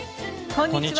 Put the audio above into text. こんにちは。